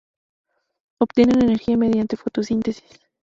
Obtienen energía mediante fotosíntesis.